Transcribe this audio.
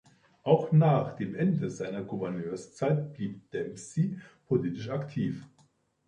Auch nach dem Ende seiner Gouverneurszeit blieb Dempsey politisch aktiv.